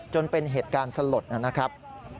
จนเป็นเหตุการณ์สลดนะครับ